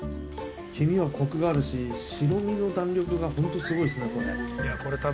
黄身はコクがあるし白身の弾力がホントすごいですねこれ。